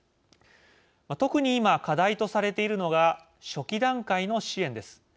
特に今、課題とされているのが初期段階の支援です。